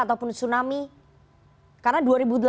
ataupun tsunami karena